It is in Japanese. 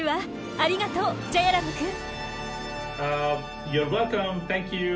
ありがとうジャヤラムくん！